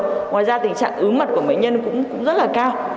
ngoài ra tình trạng ứng mặt của bệnh nhân cũng rất là cao